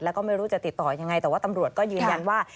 แล้วก็ไม่รู้จะติดต่อยังไงแต่ว่าตำรวจก็ยืนยันว่า